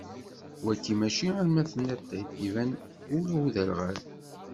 Wagi mačči arma tenniḍ-t-id, iban ula i uderɣal.